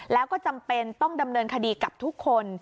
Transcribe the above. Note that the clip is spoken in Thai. แล้วก็จำเป็นต้องดำเนินคดีกับทุกคน